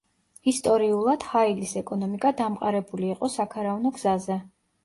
ისტორიულად ჰაილის ეკონომიკა დამყარებული იყო საქარავნო გზაზე.